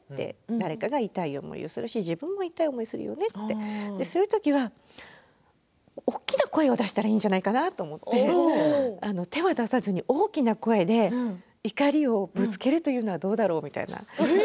誰かが痛い思いをするかもしれないし自分も痛い思いをするよねってそういうときは大きな声を出したらいいんじゃないかな？と思って手を出さずに大きな声で怒りをぶつけるというのはどうだろう？